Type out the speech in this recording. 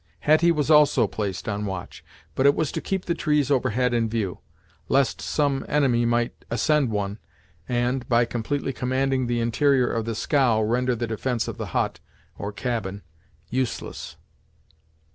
Hetty was also placed on watch, but it was to keep the trees overhead in view, lest some enemy might ascend one, and, by completely commanding the interior of the scow render the defence of the hut, or cabin, useless.